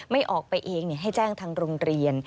ไม่ออกไปเองให้แจ้งทางโรงเรียน